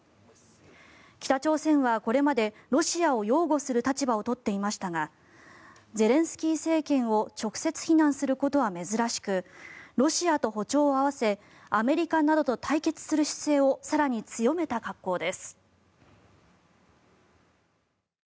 北朝鮮は、これまでロシアを擁護する立場を取っていましたがゼレンスキー政権を直接非難することは珍しくロシアと歩調を合わせアメリカなどと対決する姿勢を更に強めた格好です。